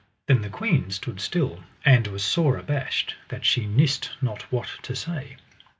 Then the queen stood still and was sore abashed, that she nist not what to say.